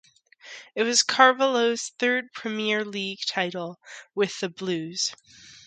It was Carvalho's third Premier League title with the Blues.